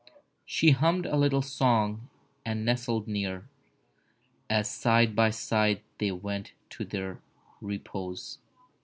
She hummed a little song and nestled near, As side by side they went to their repose.